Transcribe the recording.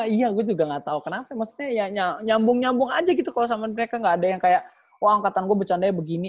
iya gua juga ga tau kenapa maksudnya ya nyambung nyambung aja gitu kalo sama mereka gaada yang kayak wah angkatan gua bercandanya begini